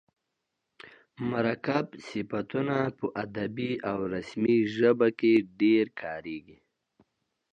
مرکب صفتونه په ادبي او رسمي ژبه کښي ډېر کاریږي.